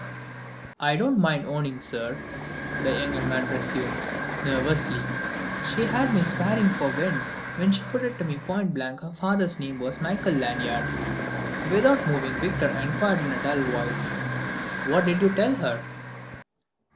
"I don't mind owning, sir," the younger man resumed, nervously, "she had me sparring for wind when she put it to me point blank her father's name was Michael Lanyard." Without moving Victor enquired in a dull voice: "What did you tell her?"